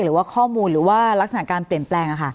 หรือว่าข้อมูลหรือว่ารักษณะการเปลี่ยนแปลง